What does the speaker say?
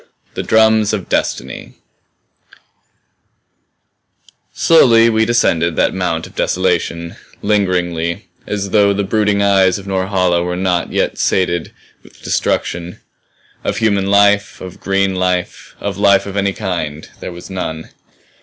"THE DRUMS OF DESTINY" Slowly we descended that mount of desolation; lingeringly, as though the brooding eyes of Norhala were not yet sated with destruction. Of human life, of green life, of life of any kind there was none.